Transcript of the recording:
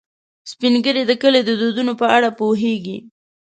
سپین ږیری د کلي د دودونو په اړه پوهیږي